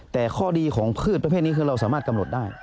แต่ข้อดีของพืชประเภทนี้คือเราสามารถกำหนดได้